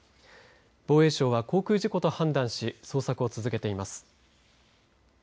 防衛省は航空事故と判断し捜索を続けています。